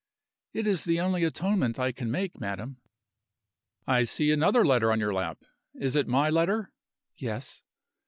"It is the only atonement I can make, madam." "I see another letter on your lap. Is it my letter?" "Yes."